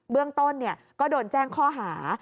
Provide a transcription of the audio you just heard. เบื้องต้นก็โดนแจ้งข้อหา